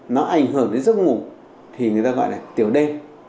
nó ảnh hưởng đến giấc ngủ thì người ta gọi là tiểu đêm